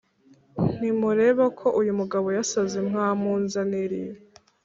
ntimureba ko uyu mugabo yasaze Mwamunzaniriye